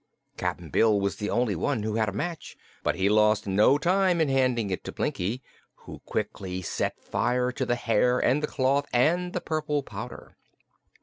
Cap'n Bill was the only one who had a match, but he lost no time in handing it to Blinkie, who quickly set fire to the hair and the cloth and the purple powder.